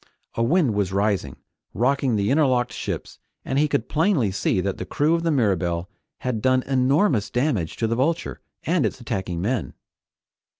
A wind was rising, rocking the interlocked ships, and he could plainly see that the crew of the Mirabelle had done enormous damage to the Vulture and its attacking men.